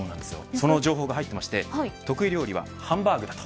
その情報が入ってまして得意料理はハンバーグだと。